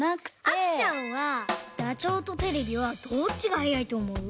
あきちゃんはダチョウとテレビはどっちがはやいとおもう？